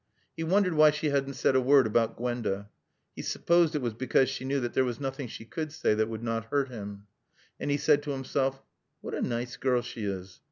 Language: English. He wondered why she hadn't said a word about Gwenda. He supposed it was because she knew that there was nothing she could say that would not hurt him. And he said to himself, "What a nice girl she is.